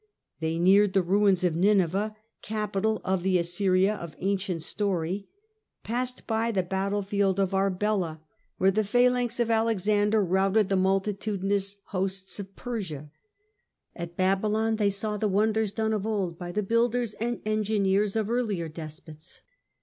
They neared the ruins of Nineveh, capital of the Assyria of ancient story; passed by the battle field of Arbela, where the phalanx of 46 The Age of the A ntouines. a.d. Alexander routed the multitudinous hosts of Persia ; at Babylon they saw the wonders done of old by the builders and engineers of early despots.